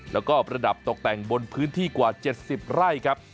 แล้วก็ประดับตกแต่งบนพื้นที่กว่า๗๐ไร่ครับ